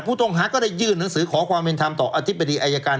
ผู้ต้องหาก็ได้ยื่นหนังสือขอความเป็นธรรมต่ออธิบดีอายการ